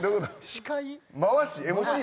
司会？